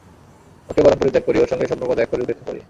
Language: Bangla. ওকে বরং পরিত্যাগ করি, ওর সঙ্গে সম্পর্ক ত্যাগ করি, উপেক্ষা করি।